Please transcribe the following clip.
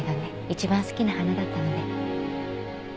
一番好きな花だったので。